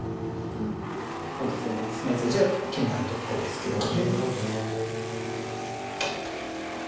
こういった攻め筋は気になるところですけれどもね。